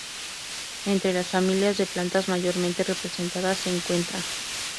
Entre las familias de plantas mayormente representadas se encuentran,